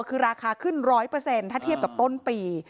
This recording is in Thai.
คือราคาขึ้น๑๐๐ถ้าเทียบกับต้นปี